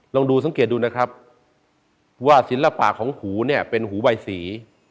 ลองดูสังเกตดูนะครับว่าศิลปะของหูเนี่ยเป็นหูใบสี